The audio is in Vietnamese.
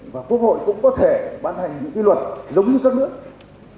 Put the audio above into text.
và quốc hội cũng có thể ban hành những cái luật giống như các nước